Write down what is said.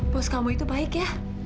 pos kamu itu baik ya